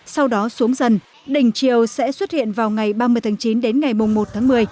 sau đó xuống dần đỉnh chiều sẽ xuất hiện vào ngày ba mươi tháng chín đến ngày một tháng một mươi